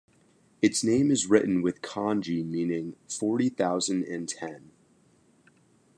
Its name is written with kanji meaning "forty thousand and ten".